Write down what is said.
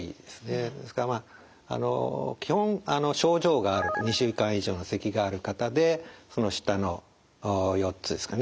ですからまあ基本症状がある２週間以上のせきがある方でその下の４つですかね